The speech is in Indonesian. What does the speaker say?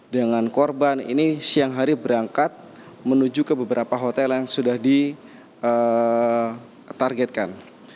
dengan korban ini siang hari berangkat menuju ke beberapa hotel yang sudah ditargetkan